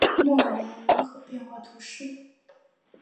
莫尔莱人口变化图示